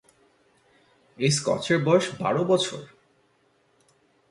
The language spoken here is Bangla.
এই স্কচের বয়স বারো বছর!